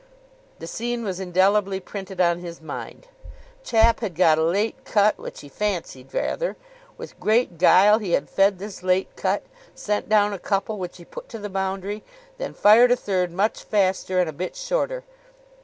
The scene was indelibly printed on his mind. Chap had got a late cut which he fancied rather. With great guile he had fed this late cut. Sent down a couple which he put to the boundary. Then fired a third much faster and a bit shorter.